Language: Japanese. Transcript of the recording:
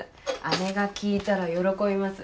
姉が聞いたら喜びます。